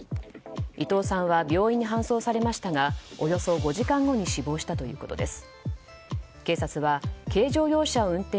伊藤さんは病院に搬送されましたがおよそ５時間後に死亡したということです。